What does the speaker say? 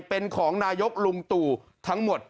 เป็นของนายกลุงตู่ทั้งหมด